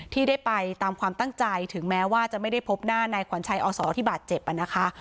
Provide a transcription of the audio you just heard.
ที่ได้ไปตามความตั้งใจถึงแม้ว่าจะไม่ได้พบหน้านายขวัญชัยอศที่บาดเจ็บนะคะ